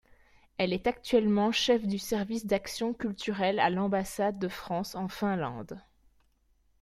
Elle est actuellement chef du service d’action culturelle à l'ambassade de France en Finlande.